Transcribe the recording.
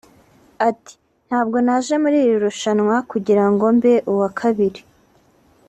Ati “Ntabwo naje muri iri rushanwa kugira ngo mbe uwa kabiri